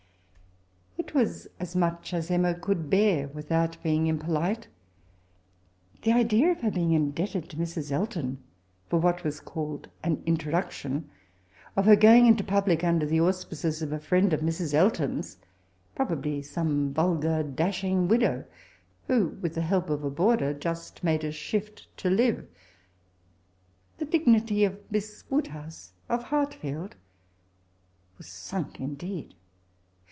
" It was as much as Emma could bear, without being impolite. The idea of her bebg indebted to Mrs. Elton for what was called an ifUrodudum^ oT her KOing into publk; under the auspices of a friend of Mis. Eltom's ^probably aome vulgar, dashing widow, who, with the help of a boarder, just made a shift to live I^The dignity of Miss Woodhouse, of Hartfield, was sunk indeed!